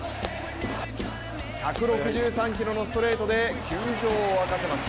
１６３キロのストレートで球場を沸かせます。